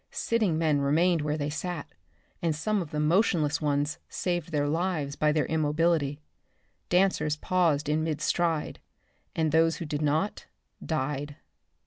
Sitting men remained where they sat, and some of the motionless ones saved their lives by their immobility. Dancers paused in midstride, and those who did not, died.